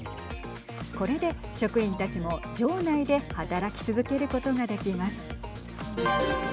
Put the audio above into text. これで職員たちも城内で働き続けることができます。